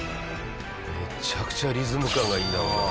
めちゃくちゃリズム感がいいんだろうな。